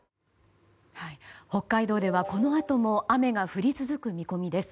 北海道では、このあとも雨が降り続く見込みです。